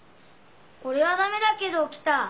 俺はダメだけど来た。